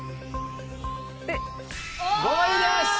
５位です！